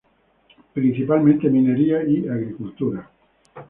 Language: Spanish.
Principalmente minería y agricultura.